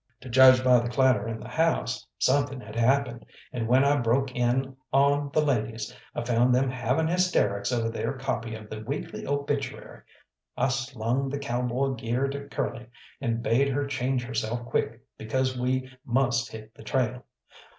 To judge by the clatter in the house, something had happened, and when I broke in on the ladies, I found them having hysterics over their copy of the Weekly Obituary. I slung the cowboy gear to Curly, and bade her change herself quick because we must hit the trail.